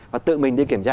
và tự mình đi kiểm tra